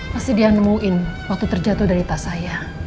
pasti dia nemuin waktu terjatuh dari tas saya